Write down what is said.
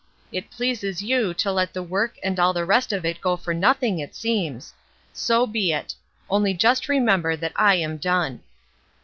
It pleases you to let the work and all the rest of it go for nothing, it seems. So be it. Only just remember that I am done."